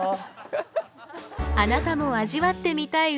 あなたも味わってみたい